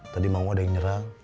tadi mang u ada yang nyerang